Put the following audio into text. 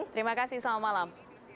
terima kasih selama malam